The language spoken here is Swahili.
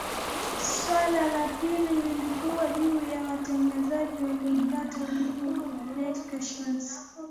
Swali la pili lilikuwa juu ya watanzania waliomkata ulimi Debby Kashozi